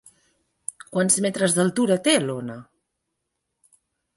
Quants metres d'altura té l'ona?